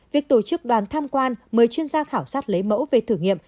việc tổ chức đoàn tham quan mời chuyên gia khảo sát lấy mẫu về thử nghiệm